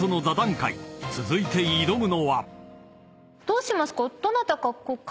どうしますか？